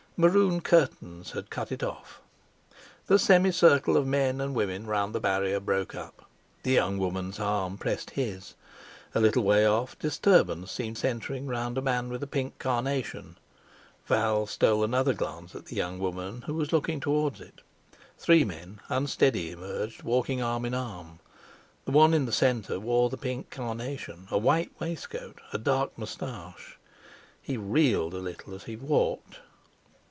Maroon curtains had cut it off. The semi circle of men and women round the barrier broke up, the young woman's arm pressed his. A little way off disturbance seemed centring round a man with a pink carnation; Val stole another glance at the young woman, who was looking towards it. Three men, unsteady, emerged, walking arm in arm. The one in the centre wore the pink carnation, a white waistcoat, a dark moustache; he reeled a little as he walked.